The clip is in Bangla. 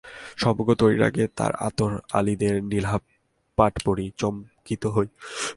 সম্পর্ক তৈরির আগে তাঁর আতর আলীদের নীলাভ পাঠ পড়ি, চমকিত হই।